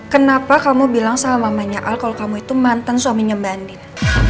kenapa kamu bilang salah mamanya al kalau kamu itu mantan suaminya mba andin